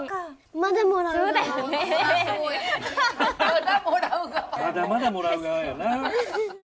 まだまだもらう側よな。